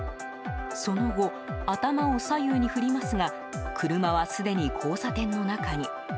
その後、頭を左右に振りますが車はすでに交差点の中に。